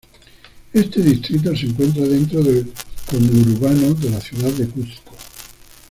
Este distrito se encuentra dentro del conurbano de la ciudad de Cuzco.